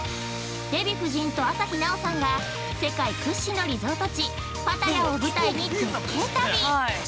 デヴィ夫人と朝日奈央さんが、世界屈指のリゾート地パタヤを舞台に絶景旅。